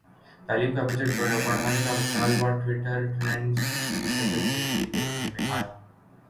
تعلیم کا بجٹ بڑھانے کا مطالبہ ٹوئٹر ٹرینڈز کی شکل میں بھی دیکھنے میں آیا